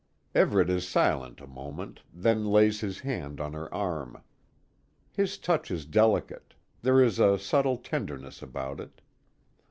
Everet is silent a moment, then lays his hand on her arm. His touch is delicate. There is a subtle tenderness about it.